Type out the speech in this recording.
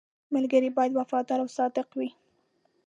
• ملګری باید وفادار او صادق وي.